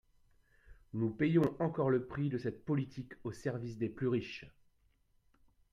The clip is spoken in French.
Nous payons encore le prix de cette politique au service des plus riches.